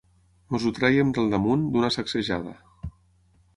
Ens ho trèiem del damunt d'una sacsejada.